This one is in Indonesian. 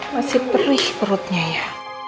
masih perih perutnya ya